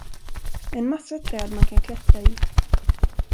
En massa träd man kan klättra i!